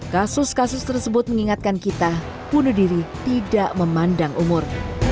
kasus kasus tersebut mengingatkan kita bunuh diri tidak memandang umur